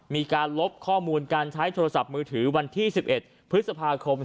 มีการลบข้อมูลการใช้โทรศัพท์มือถือวันที่๑๑พฤษภาคม